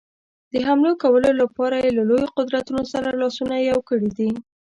د حملو کولو لپاره یې له لویو قدرتونو سره لاسونه یو کړي دي.